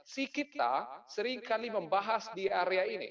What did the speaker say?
si kita seringkali membahas di area ini